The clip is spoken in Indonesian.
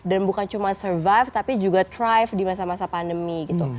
dan bukan cuma survive tapi juga thrive di masa masa pandemi gitu